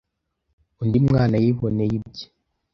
undi mwana yiboneye ibye.